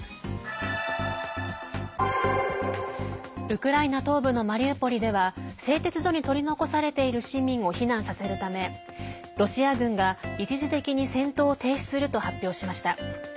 ウクライナ東部のマリウポリでは製鉄所に取り残されている市民を避難させるためロシア軍が一時的に戦闘を停止すると発表しました。